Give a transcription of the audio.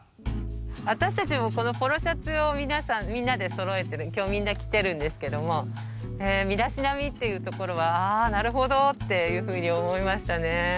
私たちもこのポロシャツをみんなでそろえてる今日みんな着てるんですけども身だしなみっていうところは「あなるほど」っていうふうに思いましたね。